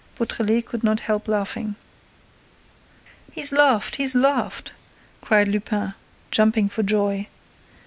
Beautrelet could not help laughing. "He's laughed! He's laughed!" cried Lupin, jumping for joy.